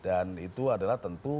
dan itu adalah tentu